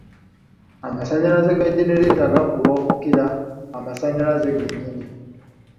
Amasannyalaze ga genereeta gakuba okukira amasannyalaze ge nnyini.